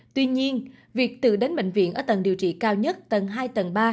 tuy nhiên việc tự đến bệnh viện ở tầng điều trị cao nhất tầng hai tầng ba